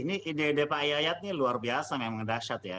ini ide ide pak yayat ini luar biasa memang dahsyat ya